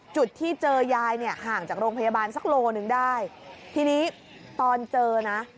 จุดที่เจอยายเนี่ยห่างจากโรงพยาบาลสักโลหนึ่งได้ทีนี้ตอนเจอนะ